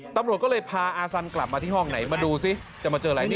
ตำรวจก็เลยพาอาสันกลับมาที่ห้องไหนมาดูซิจะมาเจออะไรนี่